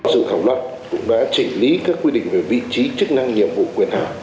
dự khảo luật cũng đã chỉnh lý các quy định về vị trí chức năng nhiệm vụ quyền hạ